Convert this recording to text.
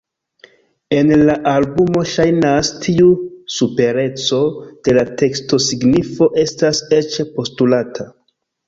En la albumo, ŝajnas, tiu supereco de la tekstosignifo estas eĉ postulata.